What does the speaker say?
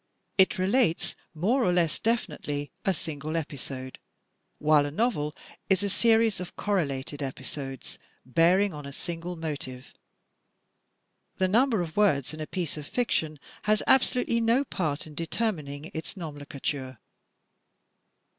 It re lates, more or less definitely, a single episode; while a novel is a series of correlated episodes, bearing on a single motive. The i>umber of words in a piece of fiction has absolutely no part in determining its nomenclature.